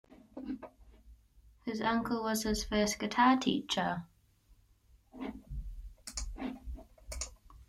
His uncle was his first guitar teacher.